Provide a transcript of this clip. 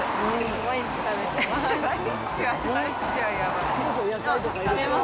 毎日食べてます。